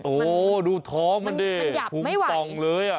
โอ้ดูท้องมันดิทุ่มต่องเลยอะ